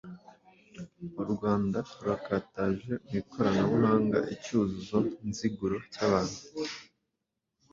U Rwanda rurakataje mu ikoranabuhanga icyuzuzo nziguro cy’ahantu